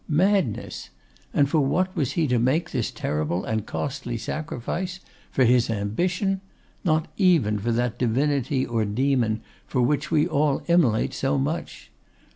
Madness! And for what was he to make this terrible and costly sacrifice For his ambition? Not even for that Divinity or Daemon for which we all immolate so much!